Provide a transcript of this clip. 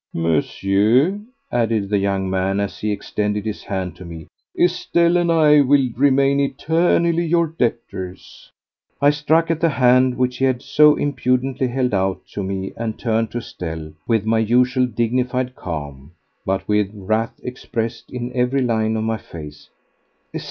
"Monsieur," added the young man as he extended his hand to me, "Estelle and I will remain eternally your debtors." I struck at the hand which he had so impudently held out to me and turned to Estelle with my usual dignified calm, but with wrath expressed in every line of my face.